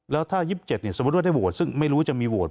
แล้วถ้า๒๗สมมุติว่าได้โหวตซึ่งไม่รู้จะมีโหวต